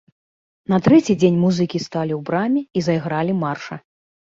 На трэці дзень музыкі сталі ў браме і зайгралі марша.